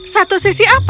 satu sisi apa